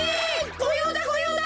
ごようだごようだ！